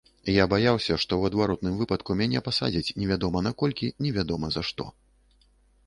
Я баяўся, што ў адваротным выпадку мяне пасадзяць невядома на колькі невядома за што.